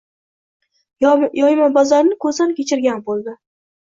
Yoymabozorni ko‘zdan kechirgan bo‘ldi